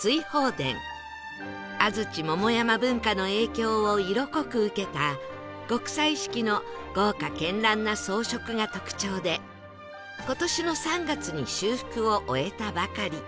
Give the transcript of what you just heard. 安土桃山文化の影響を色濃く受けた極彩色の豪華絢爛な装飾が特徴で今年の３月に修復を終えたばかり